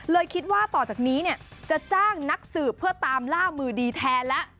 คิดว่าต่อจากนี้เนี่ยจะจ้างนักสืบเพื่อตามล่ามือดีแทนแล้ว